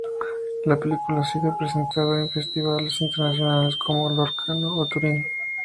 La película ha sido presentada en festivales internacionales, como Locarno o Turín.